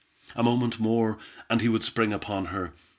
A moment more, and he would spring upon her.